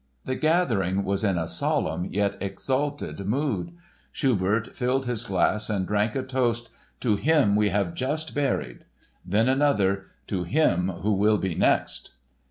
The gathering was in a solemn yet exalted mood. Schubert lifted his glass and drank a toast "To him we have just buried," then another "To him who will be next."